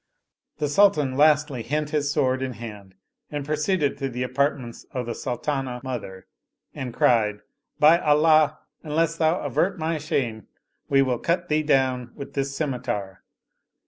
The Sultan lastly hent his sword in hand and proceeded to the apartments of the Sultanah mother and cried, " By Allah, unless thou avert my shame we will cut thee down with this scimiter